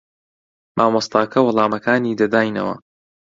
مامۆستاکە وەڵامەکانی دەداینەوە.